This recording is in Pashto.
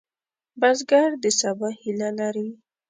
بزګر د سبا هیله لري